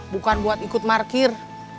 bukan buat ikut markir